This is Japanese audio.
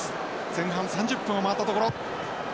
前半３０分を回ったところ。